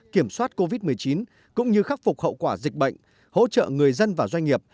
kiểm soát covid một mươi chín cũng như khắc phục hậu quả dịch bệnh hỗ trợ người dân và doanh nghiệp